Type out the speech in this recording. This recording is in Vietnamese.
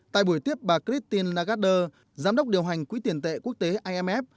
tại buổi tiếp bà christine lagarde giám đốc điều hành quỹ tiền tệ quốc tế imf